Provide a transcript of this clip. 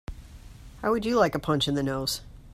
How would you like a punch in the nose?